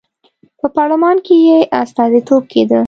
په پارلمان کې یې استازیتوب کېده.